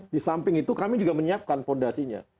di samping itu kami juga menyiapkan fondasinya